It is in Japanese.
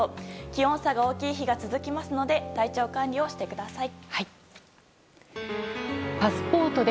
気温差が大きい日が続きますので体調管理をしてください。